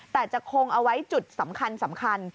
แต่จะคงเอาไว้จุดสำคัญ